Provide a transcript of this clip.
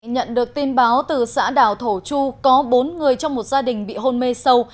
nhận được tin báo từ xã đảo thổ chu có bốn người trong một gia đình bị hôn mê sâu